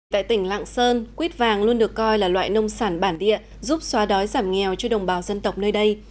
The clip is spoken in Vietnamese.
tại tỉnh lạng sơn quýt vàng luôn được coi là loại nông sản bản địa giúp xóa đói giảm nghèo cho đồng bào dân tộc nơi đây